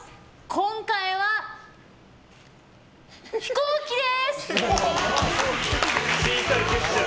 今回は飛行機です！